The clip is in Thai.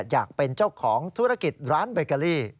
อยากเป็นเจ้าของธุรกิจร้านเบเกอรี่